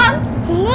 tante aku mau